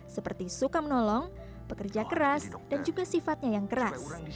seperti suka menolong pekerja keras dan juga sifatnya yang keras